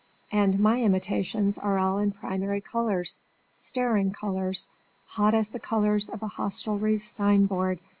"And my imitations are all in primary colours, staring colours, hot as the colours of a hostelry's sign board!"